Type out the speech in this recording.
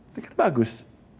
itu kan bagus